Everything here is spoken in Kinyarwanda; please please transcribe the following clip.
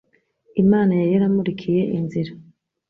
Imana yari yaramurikiye mu nzira